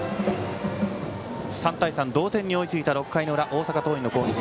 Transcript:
３対３、同点に追いついた６回の裏、大阪桐蔭の攻撃。